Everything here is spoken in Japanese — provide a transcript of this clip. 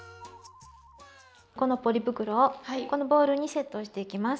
このポリ袋をこのボウルにセットしていきます。